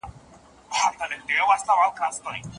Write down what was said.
ټولنیز قوتونه زموږ پر رفتار ژور اغېز لري.